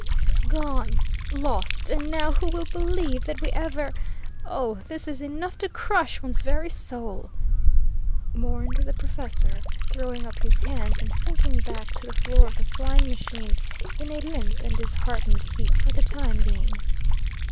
"Gone, lost, and now who will believe that we ever oh, this is enough to crush one's very soul!" mourned the professor, throwing up his hands, and sinking back to the floor of the flying machine in a limp and disheartened heap for the time being.